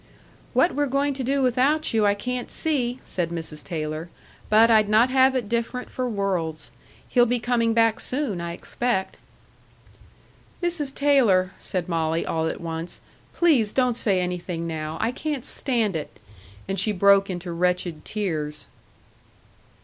"What we're going to do without you I can't see," said Mrs. Taylor. "But I'd not have it different for worlds. He'll be coming back soon, I expect." "Mrs. Taylor," said Molly, all at once, "please don't say anything now. I can't stand it." And she broke into wretched tears.